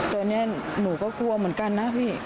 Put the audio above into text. ตอนนี้หนูก็กลัวเหมือนกันนะพี่